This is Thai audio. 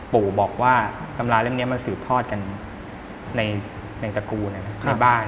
ปู่บอกว่าตำราเล่มนี้มันสืบทอดกันในตระกูลในบ้าน